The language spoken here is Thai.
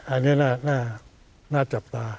อันนี้น่าจับตา